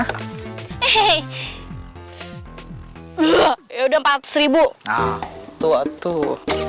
hehehe ya udah empat ratus tuh tuh